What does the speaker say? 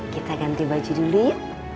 kita ganti baju dulu ya